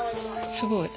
すごい。